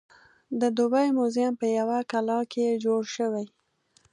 د دوبۍ موزیم په یوه کلا کې جوړ شوی.